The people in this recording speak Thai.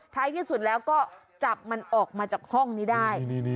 ที่สุดแล้วก็จับมันออกมาจากห้องนี้ได้